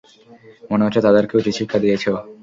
মনে হচ্ছে তাদেরকে উচিৎ শিক্ষা দিয়েছো।